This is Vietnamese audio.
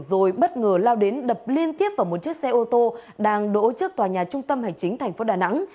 rồi bất ngờ lao đến đập liên tiếp vào một chiếc xe ô tô đang đổ trước tòa nhà trung tâm hành chính thành phố đà nẵng